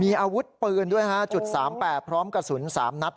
มีอาวุธปืนด้วยฮะจุด๓๘พร้อมกระสุน๓นัด